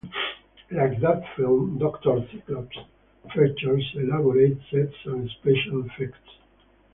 Like that film, "Doctor Cyclops" features elaborate sets and special effects.